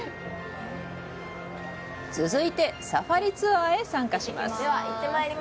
続いて、サファリツアーへ参加します。